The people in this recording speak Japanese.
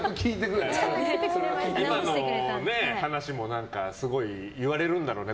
今の話もすごい言われるんだろうね